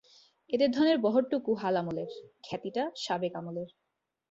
এদের ধনের বহরটুকু হাল আমলের, খ্যাতিটা সাবেক আমলের।